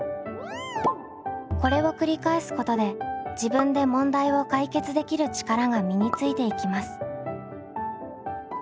これを繰り返すことで「自分で問題を解決できる力」が身についていきます。